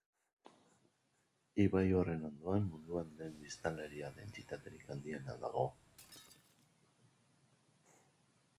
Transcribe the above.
Ibai horren ondoan, munduan den biztanleria-dentsitaterik handiena dago.